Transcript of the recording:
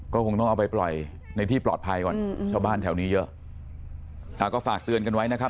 ก็คงต้องเอาไปปล่อยในที่ปลอดภัยก่อน